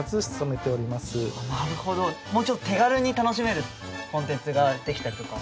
なるほどもうちょっと手軽に楽しめるコンテンツが出来たりとか？